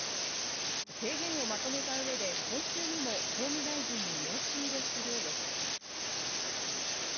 提言をまとめた上で今週にも法務大臣に申し入れする予定です。